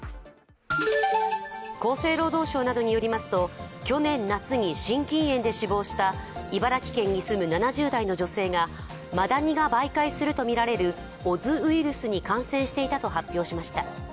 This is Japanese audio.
厚生労働省などによりますと、去年夏に心筋炎で死亡した茨城県に住む７０代の女性がマダニが媒介するとみられるオズウイルスに感染していたと発表しました。